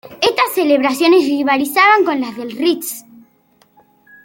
Estas celebraciones rivalizaban con las del Ritz.